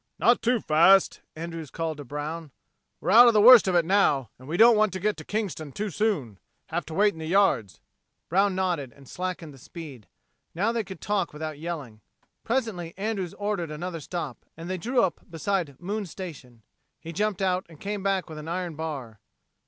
"Not too fast," Andrews called to Brown. "We're out of the worst of it now, and we don't want to get to Kingston too soon. Have to wait in the yards." Brown nodded and slackened the speed. Now they could talk without yelling. Presently Andrews ordered another stop and they drew up beside Moon Station. He jumped out and came back with an iron bar.